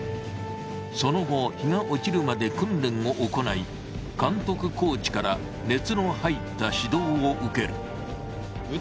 その後日が落ちるまで訓練を行ない監督コーチから熱の入った指導を受ける。